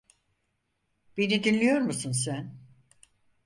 Beni dinliyor musun sen?